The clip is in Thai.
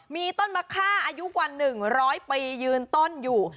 มีต้นมะค่าอายุกว่า๑๐๐ปียืนต้นอยู่